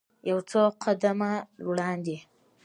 یو څو قدمه وړاندې.